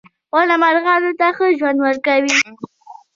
• ونه مرغانو ته ښه ژوند ورکوي.